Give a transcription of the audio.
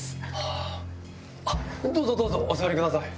あっどうぞどうぞお座りください。